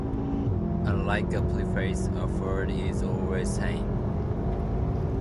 Unlike a preface, a foreword is always signed.